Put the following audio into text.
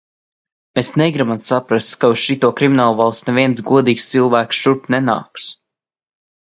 Mēs negribam saprast, ka uz šito kriminālvalsti neviens godīgs cilvēks šurp nenāks.